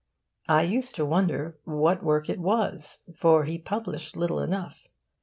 I used to wonder what work it was, for he published little enough.